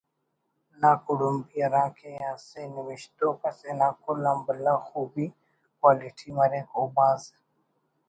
ناکڑمبی ہرا کہ اسہ نوشتوک اسے نا کل آن بھلا خوبی (Quality) مریک او بھاز